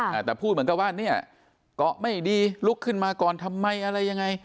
อ่าแต่พูดเหมือนกับว่าเนี่ยเกาะไม่ดีลุกขึ้นมาก่อนทำไมอะไรยังไง